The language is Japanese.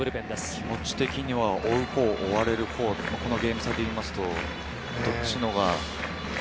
気持ち的には追うほう、追われるほう、このゲーム差だとどっちのほうが。